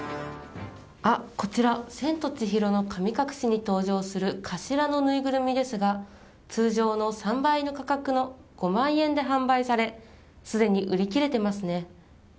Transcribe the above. こちら「千と千尋の神隠し」に登場するかしらのぬいぐるみですが通常の３倍の価格の５万円で販売されすでに売り切れていますね。